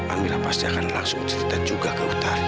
amirah pasti akan langsung cerita juga ke utari